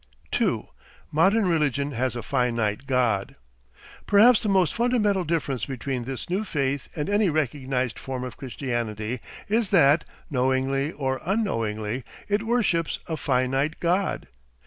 2. MODERN RELIGION HAS A FINITE GOD Perhaps the most fundamental difference between this new faith and any recognised form of Christianity is that, knowingly or unknowingly, it worships A FINITE GOD.